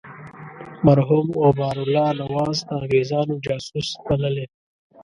مرحوم غبار الله نواز د انګرېزانو جاسوس بللی.